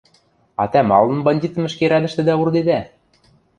А тӓ малын бандитӹм ӹшке рӓдӹштӹдӓ урдедӓ?